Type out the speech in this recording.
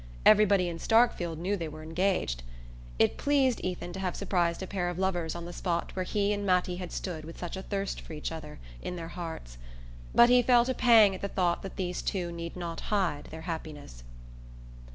Everybody in Starkfield knew they were engaged. It pleased Ethan to have surprised a pair of lovers on the spot where he and Mattie had stood with such a thirst for each other in their hearts; but he felt a pang at the thought that these two need not hide their happiness.